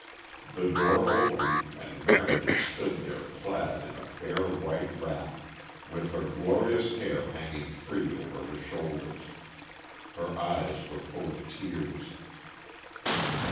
The door opened and Marion stood there clad in a fair white wrap, with her glorious hair hanging free over her shoulders. Her eyes were full of tears.